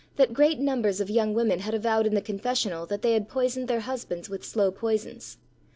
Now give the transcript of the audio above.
that great numbers of young women had avowed in the confessional that they had poisoned their husbands with slow poisons.